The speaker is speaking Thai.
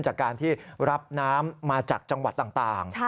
จากการที่รับน้ำมาจากจังหวัดต่าง